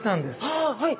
ああはい。